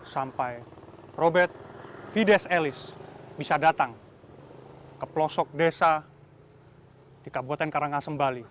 sampai robert fides elis bisa datang ke pelosok desa di kabupaten karangasem bali